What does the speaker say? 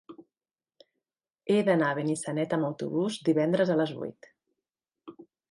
He d'anar a Benissanet amb autobús divendres a les vuit.